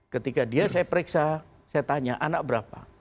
ketika dia saya periksa saya tanya anak berapa